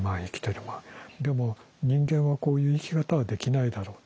でも人間はこういう生き方はできないだろう。